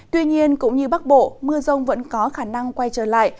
tuy nhiên cũng như bắc bộ mưa rông vẫn có khả năng quay trở lại